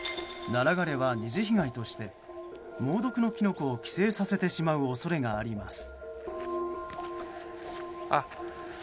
ナラ枯れは２次被害として猛毒のキノコを寄生させてしまう恐れがあります。